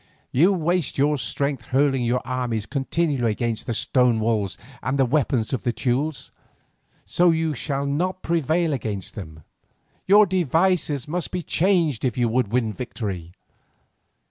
You waste your strength by hurling your armies continually against stone walls and the weapons of the Teules. So you shall not prevail against them. Your devices must be changed if you would win victory.